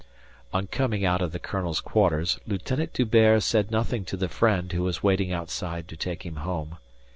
On coming out of the colonel's quarters, Lieutenant D'Hubert said nothing to the friend who was waiting outside to take him home.